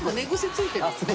ついてますか？